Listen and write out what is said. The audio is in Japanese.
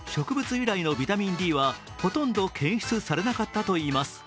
由来のビタミンＤはほとんど検出されなかったといいます。